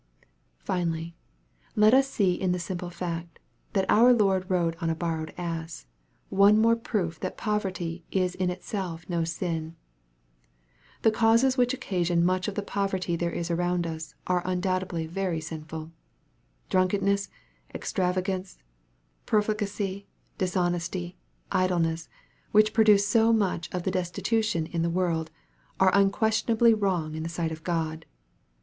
Finally, let us see in the simple fact, that our Lord rode on a borrowed ass, one more proof that poverty is in itself no sin. The causes which occasion much of the poverty there is around us, are undoubtedly very sinful. Drunkenness, extravagance, profligacy, dis honesty, idleness, which produce so much of the des titution in the world, are unquestionably wrong in the sight of God.